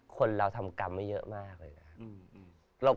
คนเราทำกรรมไว้เยอะมากเลยนะครับ